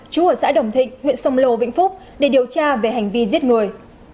chú ở xã đồng thịnh huyện sông lô vĩnh phúc để điều tra về hành vi giết người